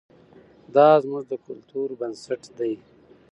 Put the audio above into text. دا زموږ د کلتور بنسټ دی.